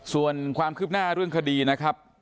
ส่วนความคืบหน้าเรื่องคดีนะครับ